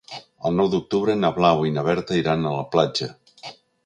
El nou d'octubre na Blau i na Berta iran a la platja.